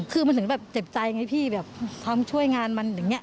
คือมันถึงแบบเจ็บใจไงพี่แบบความช่วยงานมันอย่างนี้